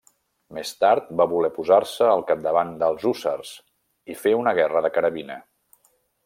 Més tard, va voler posar-se al capdavant dels hússars i fer una guerra de carabina.